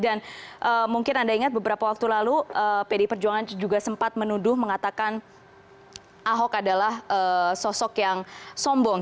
dan mungkin anda ingat beberapa waktu lalu pdi perjuangan juga sempat menuduh mengatakan ahok adalah sosok yang sombong